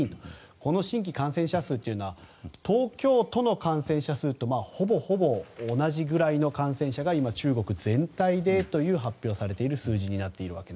この新規感染者数というのは東京都の感染者数とほぼほぼ同じぐらいの感染者が今、中国全体でという発表されている数字です。